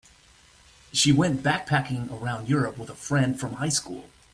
She went backpacking around Europe with a friend from high school.